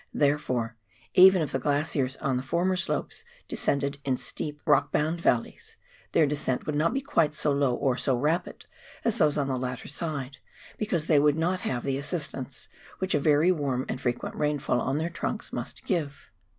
Therefore, even if the glaciers on the former slopes descended in steep rock APPENDIX. 319 bound valleys, their descent would not be quite so low or so rapid as those on the latter side ; because they would not have the assis tance which a very warm and frequent rainfall on their trunks must give.